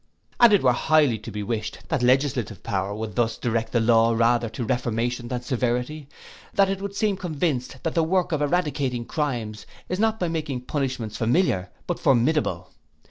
And it were highly to be wished, that legislative power would thus direct the law rather to reformation than severity. That it would seem convinced that the work of eradicating crimes is not by making punishments familiar, but formidable.